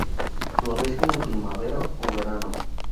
Florecen en primavera o verano.